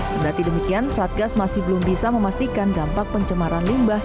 kendati demikian satgas masih belum bisa memastikan dampak pencemaran limbah